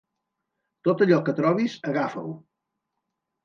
Tot allò que trobis, agafa-ho.